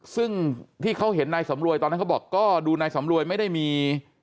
ซึ่งที่เขาเห็นนายสำรวยตอนนั้นเขาบอกก็ดูนายสำรวยไม่ได้มี